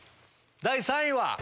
第３位は！